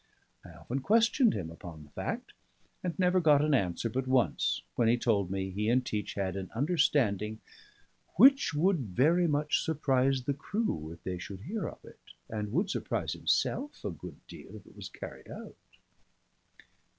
I often questioned him upon the fact, and never got an answer but once, when he told me he and Teach had an understanding "which would very much surprise the crew if they should hear of it, and would surprise himself a good deal if it was carried out."